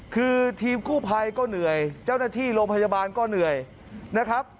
คือทีมกู้ภัยก็เหนื่อยเจ้าหน้าที่โรงพยาบาลก็เหนื่อยนะครับ